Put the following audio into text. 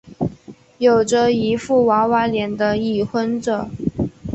有着一副娃娃脸的已婚者。